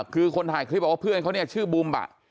คือคนถ่ายคลิปบอกว่าเพื่อนเขาเนี่ยชื่อบูมบะ